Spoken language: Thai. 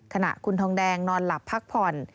ขณะคุณทองแดงนอนหลับพักผ่อน